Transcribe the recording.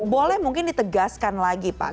boleh mungkin ditegaskan lagi pak